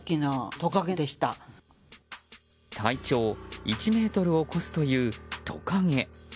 体長１ｍを超すというトカゲ。